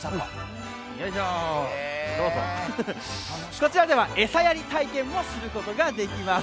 こちらでは餌やり体験をすることもできます。